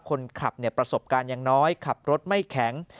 คนขับประสบการณ์ยังน้อยขับรถไม่แข็ง